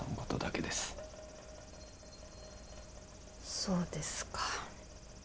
そうですか。